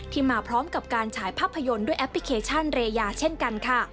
มาพร้อมกับการฉายภาพยนตร์ด้วยแอปพลิเคชันเรยาเช่นกันค่ะ